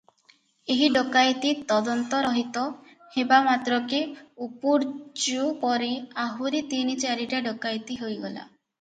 ଏହି ଡକାଏତି ତଦନ୍ତ ରହିତ ହେବା ମାତ୍ରକେ ଉପୁର୍ଯ୍ୟୁପରି ଆହୁରି ତିନି ଚାରିଟା ଡକାଏତି ହୋଇଗଲା ।